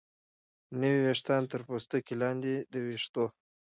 نوي ویښتان تر پوستکي لاندې د ویښتو